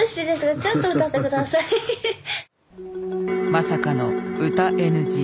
まさかの歌ＮＧ。